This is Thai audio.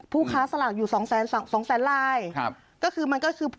ค้าสลากอยู่สองแสนสองแสนลายครับก็คือมันก็คือ